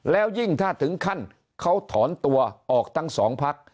แล้วยิ่งถ้าถึงขั้นเขาถอนตัวออกทั้งสองพัก